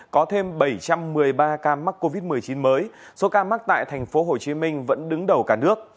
có thêm bảy trăm một mươi ba ca mắc covid một mươi chín mới số ca mắc tại tp hcm vẫn đứng đầu cả nước